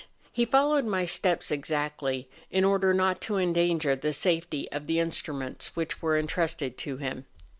He followed my steps exactly, in order not to endanger the safety of the instruments which were intrusted to liim.